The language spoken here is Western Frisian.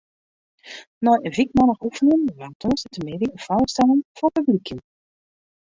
Nei in wykmannich oefenjen waard tongersdeitemiddei in foarstelling foar publyk jûn.